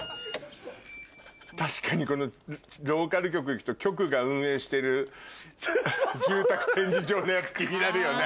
確かにローカル局行くと局が運営してる住宅展示場のやつ気になるよね。